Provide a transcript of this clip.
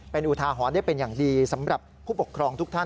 เป็นอุทาหรณ์ได้เป็นอย่างดีสำหรับผู้ปกครองทุกท่าน